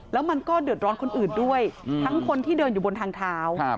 แล้วมันก็เดือดร้อนคนอื่นด้วยทั้งคนที่เดินอยู่บนทางเท้า